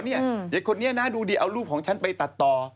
เด็กคนนี้นะดูดีเอารูปของฉันไปตัดต่อ